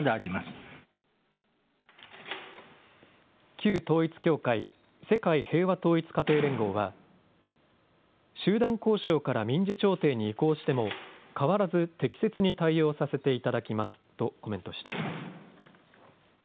旧統一教会、世界平和統一家庭連合は集団交渉から民事調停に移行しても変わらず適切に対応させていただきますとコメントしています。